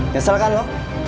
nyesel kan lu